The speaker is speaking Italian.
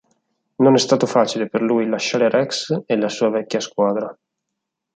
Non è stato facile per lui lasciare Rex e la sua vecchia squadra.